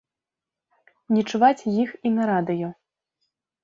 Не чуваць іх і на радыё.